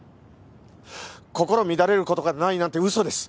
心乱れる事がないなんて嘘です。